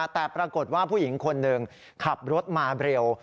แต่ปรากฏว่าผู้หญิงคนหนึ่งขับรถมาเร็ว